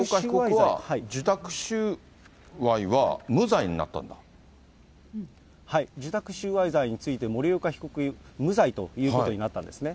はい、受託収賄罪について森岡被告、無罪ということになったんですね。